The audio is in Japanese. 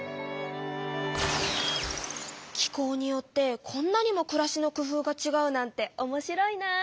気候によってこんなにもくらしの工夫がちがうなんておもしろいな。